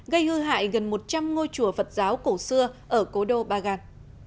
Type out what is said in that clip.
gây hư hại gần một trăm linh ngôi chùa phật giáo cổ xưa ở cố đô bagan